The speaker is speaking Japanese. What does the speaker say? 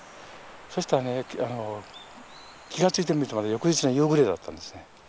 そしたらね気が付いてみると翌日の夕暮れだったんですね。